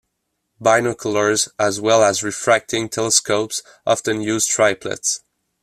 Binoculars as well as refracting telescopes often use triplets.